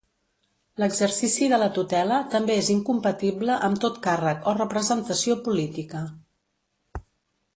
L'exercici de la tutela també és incompatible amb tot càrrec o representació política.